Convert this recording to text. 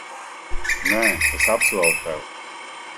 Nē, es apsolu tev.